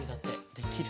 できる？